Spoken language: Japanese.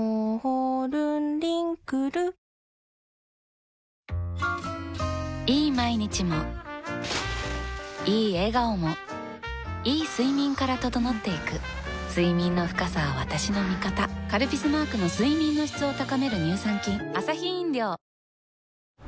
恩人、いい毎日もいい笑顔もいい睡眠から整っていく睡眠の深さは私の味方「カルピス」マークの睡眠の質を高める乳酸菌プシュ！